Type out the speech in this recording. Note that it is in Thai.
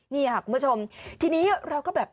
นี่ค่ะคุณผู้ชมทีนี้เราก็แบบ